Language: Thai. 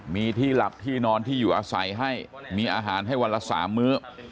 มีที่หลับที่นอนที่อยู่อาศัยให้มีอาหารให้วันละ๓มื้อ